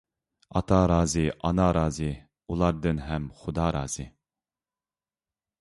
ئاتا رازى، ئانا رازى، ئۇلاردىن ھەم خۇدا رازى.